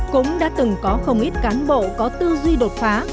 cũng đã từng có không ít cán bộ có tư duy đột phá